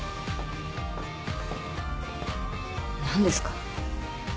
何ですか？